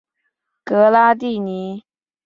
格拉蒂尼。